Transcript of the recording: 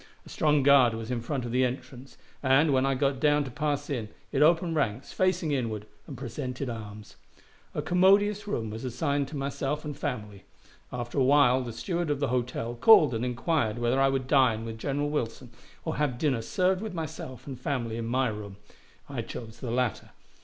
A strong guard was in front of the entrance, and, when I got down to pass in, it opened ranks, facing inward, and presented arms. A commodious room was assigned to myself and family. After a while the steward of the hotel called and inquired whether I would dine with General Wilson or have dinner served with myself and family in my room. I chose the latter.